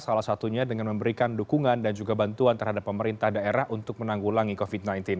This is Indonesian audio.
salah satunya dengan memberikan dukungan dan juga bantuan terhadap pemerintah daerah untuk menanggulangi covid sembilan belas